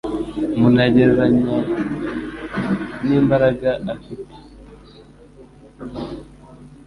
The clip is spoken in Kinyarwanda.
umuntu yagereranya n'imbaraga afite